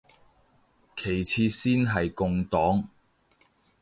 其次先係共黨